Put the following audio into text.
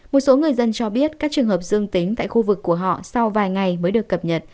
một số người dân cho biết các trường hợp dương tính tại khu vực của họ sau vài ngày mới được cập nhật